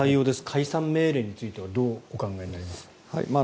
解散命令についてはどうお考えになりますか？